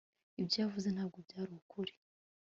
ibyo yavuze ntabwo byari ukuri